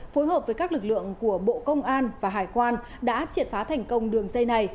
phối hợp với các lực lượng của bộ công an và hải quan đã triệt phá thành công đường dây này